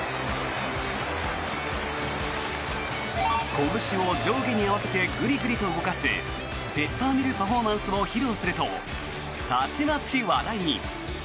こぶしを上下に合わせてぐりぐりと動かすペッパーミルパフォーマンスも披露するとたちまち話題に。